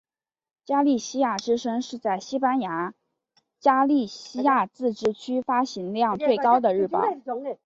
加利西亚之声是在西班牙加利西亚自治区发行量最高的日报。